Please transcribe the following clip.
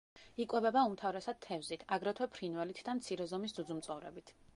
იკვებება უმთავრესად თევზით, აგრეთვე ფრინველით და მცირე ზომის ძუძუმწოვრებით.